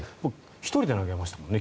１人で投げましたもんね